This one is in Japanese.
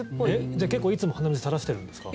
じゃあ、結構いつも鼻水垂らしてるんですか？